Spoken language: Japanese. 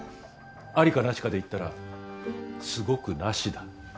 ありか無しかで言ったらすごく無しだ。